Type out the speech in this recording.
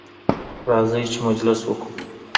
راځئ چې مجلس وکړو.